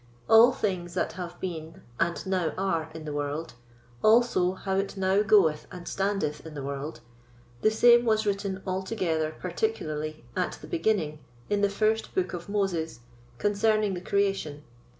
All things that have been and now are in the world, also how it now goeth and standeth in the world, the same was written altogether particularly at the beginning, in the First Book of Moses concerning the Creation.